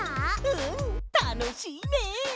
うんたのしいね！